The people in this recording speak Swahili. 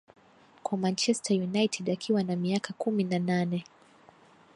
Kwa Manchester United akiwa na miaka kumi na nane